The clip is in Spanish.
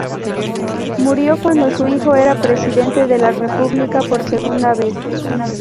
Murió cuando su hijo era presidente de la República por segunda vez.